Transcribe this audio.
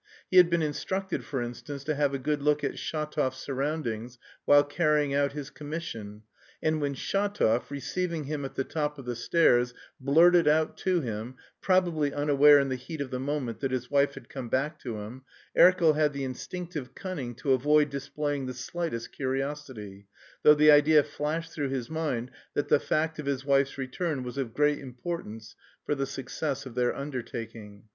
He had been instructed, for instance, to have a good look at Shatov's surroundings while carrying out his commission, and when Shatov, receiving him at the top of the stairs, blurted out to him, probably unaware in the heat of the moment, that his wife had come back to him Erkel had the instinctive cunning to avoid displaying the slightest curiosity, though the idea flashed through his mind that the fact of his wife's return was of great importance for the success of their undertaking.